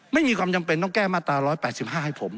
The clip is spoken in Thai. ไม่มีความจำเป็นต้องแก้มาตรา๑๘๕ให้ผม